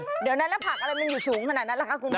เดี๋ยวนั้นผักอะไรมันอยู่สูงขนาดนั้นล่ะคุณผัก